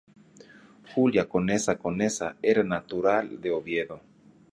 Julia Conesa Conesa, era natural de Oviedo.